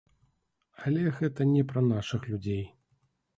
Але гэта не пра нашых людзей.